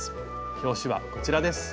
表紙はこちらです。